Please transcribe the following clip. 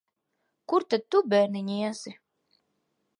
Kur tad tu, bērniņ, iesi?